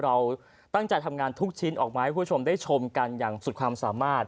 เราตั้งใจทำงานทุกชิ้นออกมาให้คุณผู้ชมได้ชมกันอย่างสุดความสามารถ